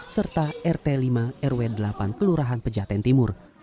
serta rt lima rw delapan kelurahan pejaten timur